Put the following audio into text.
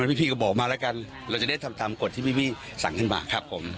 พี่ก็บอกมาแล้วกันเราจะได้ทำตามกฎที่พี่สั่งขึ้นมาครับผม